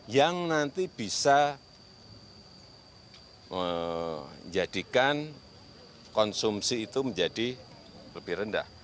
yang nanti bisa menjadikan konsumsi itu menjadi lebih rendah